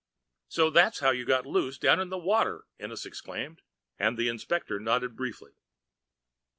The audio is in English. "So that's how you got loose down in the water!" Ennis exclaimed, and the inspector nodded briefly.